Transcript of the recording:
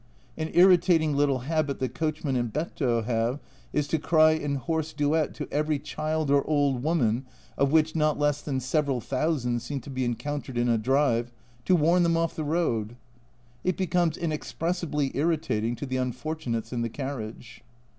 An irritating little habit the coachman and Betto 1 have, is to cry in hoarse duet to every child or old woman (of which not less than several thousand seem to be encountered in a drive) to warn them off the road. It becomes inexpressibly irritating to the unfortunates in the carriage.